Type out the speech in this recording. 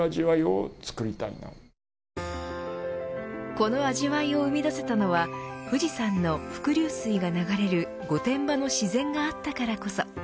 この味わいを売りに出せたのは富士山の伏流水が流れる御殿場の自然があったからこそ。